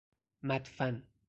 مدفن